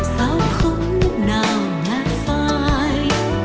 sao không lúc nào ngạc phai